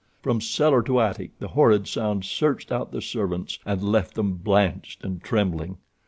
From cellar to attic the horrid sound searched out the servants, and left them blanched and trembling.